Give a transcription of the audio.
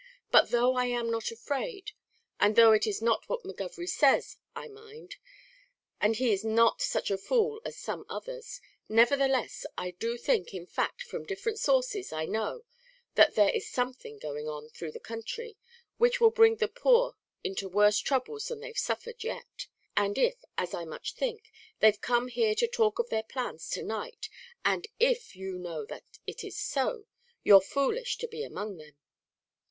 But though I am not afraid, and though it is not what McGovery says I mind and he is not such a fool as some others nevertheless I do think, in fact, from different sources, I know, that there is something going on through the country, which will bring the poor into worse troubles than they've suffered yet; and if, as I much think, they've come here to talk of their plans to night, and if you know that it is so, you're foolish to be among them."